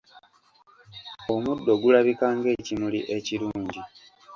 Omuddo gulabika ng'ekimuli ekirungi.